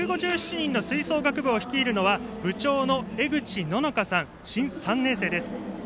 １５７人の吹奏楽部を率いるのは部長の江口禾柑さん新３年生です。